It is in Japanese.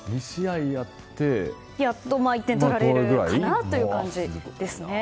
やっと１点取れるかなというくらいですね。